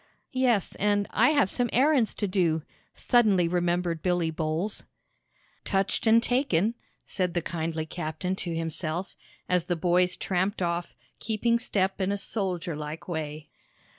"Yes, and I have some errands to do," suddenly remembered Billy Bowles. "Touched and taken!" said the kindly captain to himself, as the boys tramped off, keeping step in a soldier like way.